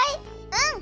うん！